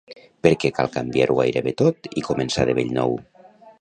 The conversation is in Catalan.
Perquè cal canviar-ho gairebé tot i començar de bell nou.